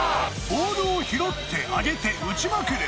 ボールを拾って上げて打ちまくる